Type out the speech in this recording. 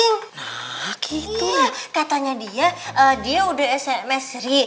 nah gitu ya katanya dia dia udah sms sri